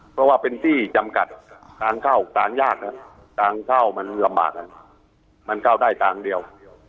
เพราะว่าเป็นที่จำกัดต่างเข้าต่างยากส่วนเข้ามันไปได้ต่างเดียว